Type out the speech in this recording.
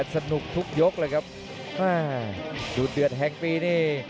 ศูนย์เดือนแห่งปีนี้